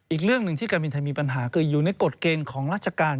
อีกเรื่องหนึ่งที่การบินไทยมีปัญหาคืออยู่ในกฎเกณฑ์ของราชการ